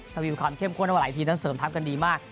ถัดรวมภาพแค่ละทีสองคนเสริมทับกันดีมาก